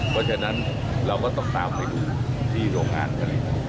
เพราะฉะนั้นเราก็ต้องตามไปดูที่โรงงานผลิต